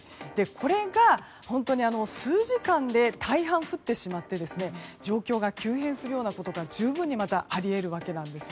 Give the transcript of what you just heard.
これが本当に数時間で大半、降ってしまって状況が急変することが十分にあり得るわけなんですね。